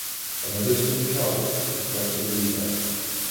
When others need help, we’ve got to be there.